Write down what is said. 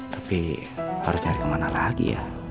tapi harus nyari kemana lagi ya